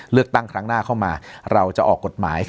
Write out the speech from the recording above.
เลือกตั้งครั้งหน้าเข้ามาเราจะออกกฎหมาย